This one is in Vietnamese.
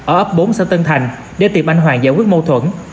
ở ấp bốn xã tân thành để tìm anh hoàng giải quyết mâu thuẫn